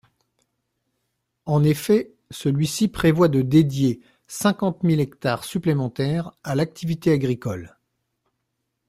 En effet, celui-ci prévoit de dédier cinquante mille hectares supplémentaires à l’activité agricole.